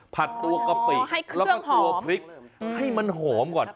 ผัดตัวกะปิแล้วก็ตัวพริกให้มันหอมก่อน